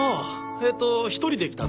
ええと１人で来たの？